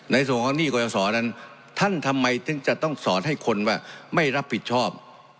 ในส่วนของนี่ก็จะสอนอันท่านทำไมถึงจะต้องสอนให้คนว่าไม่รับผิดชอบ